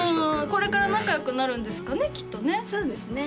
これから仲よくなるんですかねきっとねそうですね